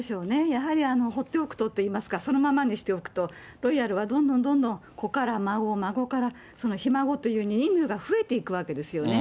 やはりほっておくとといいますか、そのままにしておくと、ロイヤルはどんどんどんどん、子から孫、孫からそのひ孫というふうに人数が増えていくわけですよね。